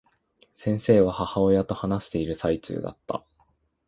先生は、母親と話している最中だった。